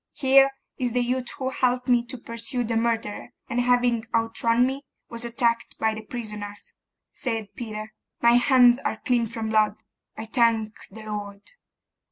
'Here is the youth who helped me to pursue the murderer, and having outrun me, was attacked by the prisoners,' said Peter. 'My hands are clean from blood, I thank the Lord!